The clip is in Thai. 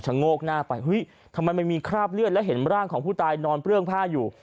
โงกหน้าไปเฮ้ยทำไมมันมีคราบเลือดและเห็นร่างของผู้ตายนอนเปลื้องผ้าอยู่